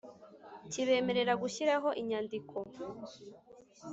Kibemerera gushyiraho inyandiko